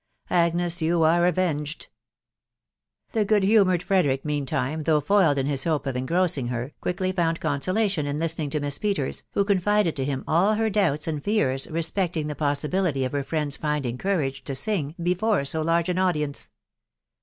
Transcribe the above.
Agnes, you are avenged !" The good humoured Frederick, mean time, though foiled in his hope of engrossing her, quickly found consolation in listen ing to Miss Peters, who confided to him all her doubts and fears respecting the possibility of her friend's finding courage to sing before so large an audience.